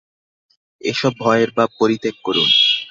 এ-সব ভয়ের ভাব পরিত্যাগ করুন।